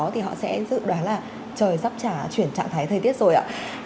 thì họ sẽ dự đoán là trời dắp trả chuyển trạng thái thời tiết rồi ạ